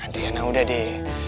dianah udah deh